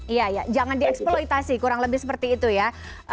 iya ya jangan dieksploitasi kurang lebih seperti itu ya